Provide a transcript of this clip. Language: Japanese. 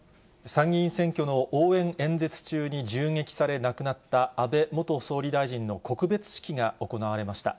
参議院選挙の応援演説中に銃撃され亡くなった安倍元総理大臣の告別式が行われました。